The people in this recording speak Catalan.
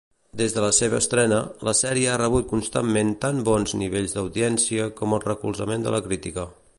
Des de la seva estrena, la sèrie ha rebut constantment tant bons nivells d'audiència com el recolzament de la crítica.